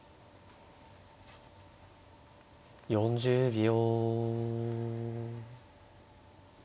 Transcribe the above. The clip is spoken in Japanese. ４０秒。